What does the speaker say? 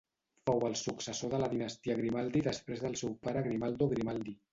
Fou el successor de la dinastia Grimaldi després del seu pare Grimaldo Grimaldi.